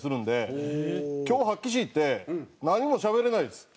今日はっきし言ってなんにもしゃべれないです。